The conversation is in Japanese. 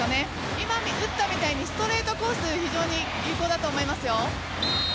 今、打ったみたいにストレートコースが有効だと思います。